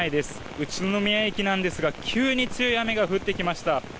宇都宮駅なんですが急に強い雨が降ってきました。